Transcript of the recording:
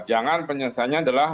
jangan penyelesaiannya adalah